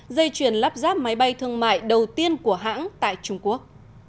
dây chuyển lắp ráp máy bay thương mại đầu tiên của hãng tại trung quốc